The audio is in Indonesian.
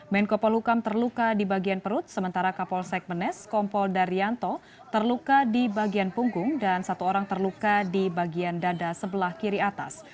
menko polukam terluka di bagian perut sementara kapolsek menes kompol daryanto terluka di bagian punggung dan satu orang terluka di bagian dada sebelah kiri atas